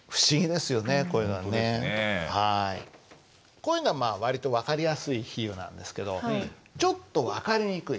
こういうのはまあ割と分かりやすい比喩なんですけどちょっと分かりにくい。